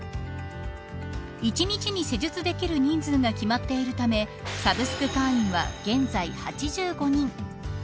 １日に施術できる人数が決まっているためサブスク会員は、現在８５人。